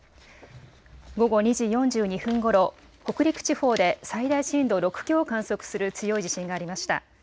午後２時４２分ごろ、北陸地方で最大震度６強を観測する強い地震がありました。